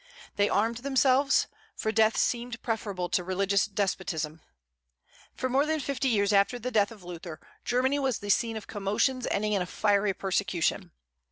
They armed themselves, for death seemed preferable to religious despotism. For more than fifty years after the death of Luther, Germany was the scene of commotions ending in a fiery persecution.